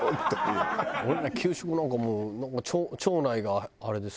俺ね給食なんかもう町内があれでさ。